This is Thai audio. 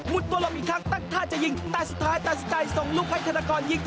ตัวลมอีกครั้งตั้งท่าจะยิงแต่สุดท้ายตัดสินใจส่งลูกให้ธนกรยิง